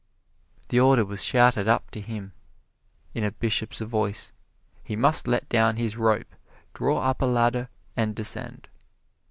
The order was shouted up to him in a Bishop's voice he must let down his rope, draw up a ladder, and descend.